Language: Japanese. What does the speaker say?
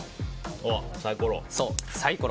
そう、サイコロ。